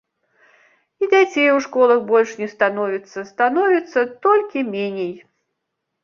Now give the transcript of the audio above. І дзяцей у школах больш не становіцца, становіцца толькі меней.